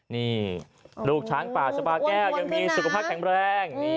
นี่ลูกช้างป่าชะบาแก้วยังมีสุขภาพแข็งแรง